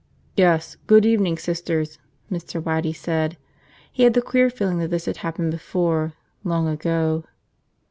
"Yes. Good evening, Sisters," Mr. Waddy said. He had the queer feeling that this had happened before, long ago.